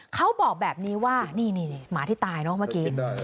เขาบอกแบบนี้ว่านี่หมาที่ตายเนอะเมื่อกี้